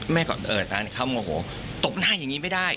แม่ก็เออตอนนั้นเขามึงโอ้โฮตบหน้าอย่างนี้ไม่ได้